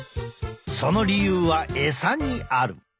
その理由は餌にある。